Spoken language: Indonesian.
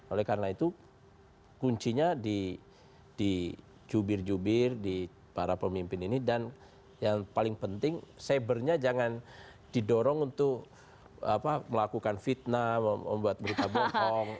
oleh karena itu kuncinya di jubir jubir di para pemimpin ini dan yang paling penting cybernya jangan didorong untuk melakukan fitnah membuat berita bohong